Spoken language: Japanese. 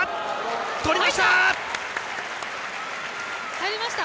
入りました。